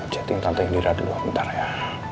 chatting tante indira dulu bentar ya